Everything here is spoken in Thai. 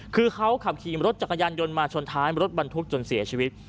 คือเขาขับขี่รถจักรยานยนต์มาชนท้ายรถบรรทุกจนเสียชีวิต